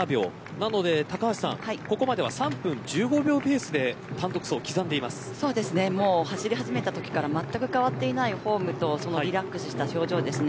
なのでここまでは３分１５秒ペースで走り始めたときからまったく変わっていないフォームとリラックスした表情ですね。